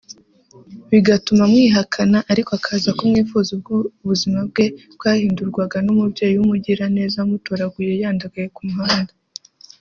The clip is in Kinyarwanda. bigatuma amwihakana ariko akaza kumwifuza ubwo ubuzima bwe bwahindurwaga n’umubyeyi w’umugiraneza wamutoraguye yandagaye ku muhanda